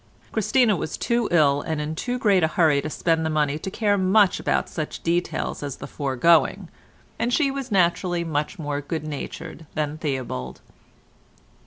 Christina was too ill and in too great a hurry to spend the money to care much about such details as the foregoing, and she was naturally much more good natured than Theobald.